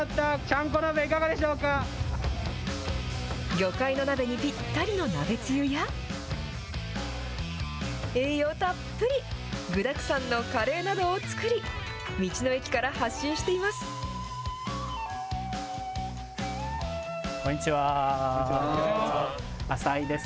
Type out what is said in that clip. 魚介の鍋にぴったりの鍋つゆや、栄養たっぷり、具だくさんのカレーなどを作り、道の駅から発信しています。